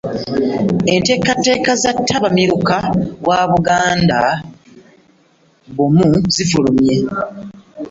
Enteekateeka za ttabamiruka wa Buganda Bumu zifulumye